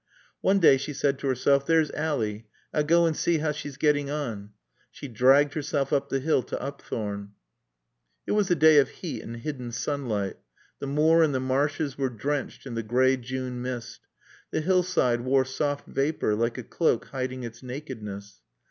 One day she said to herself, "There's Ally. I'll go and see how she's getting on." She dragged herself up the hill to Upthorne. It was a day of heat and hidden sunlight. The moor and the marshes were drenched in the gray June mist. The hillside wore soft vapor like a cloak hiding its nakedness.